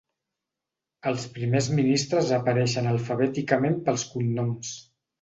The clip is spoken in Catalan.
Els Primers Ministres apareixen alfabèticament pels cognoms.